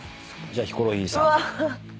じゃあヒコロヒーさん。